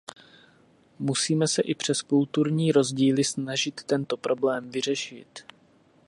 Musíme se i přes kulturní rozdíly snažit tento problém vyřešit.